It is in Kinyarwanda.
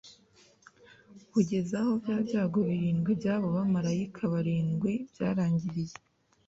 kugeza aho bya byago birindwi by’abo bamarayika barindwi byarangiriye